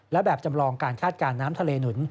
และแบบจำลองการคาดการณ์น้ำทะเลหนุน